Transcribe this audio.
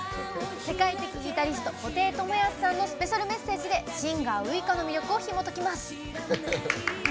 世界的ギタリスト布袋寅泰さんのスペシャルメッセージでシンガー・ウイカの魅力をひもときます。